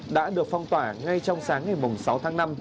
đã được phong tỏa ngay trong sáng ngày sáu tháng năm